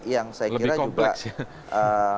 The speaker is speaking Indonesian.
yang saya kira juga lebih kompleks ya